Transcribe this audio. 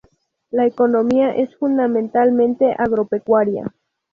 La economía es fundamentalmente agropecuaria.